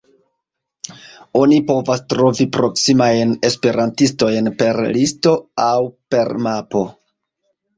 Oni povas trovi proksimajn esperantistojn per listo aŭ per mapo.